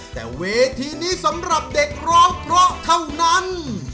แต่เวทีนี้สำหรับเด็กร้องเพราะเท่านั้น